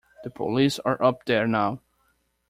The police are up there now.